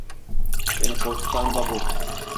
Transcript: Beni korkutan da bu.